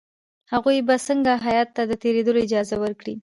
هغوی به څنګه هیات ته د تېرېدلو اجازه ورکړي.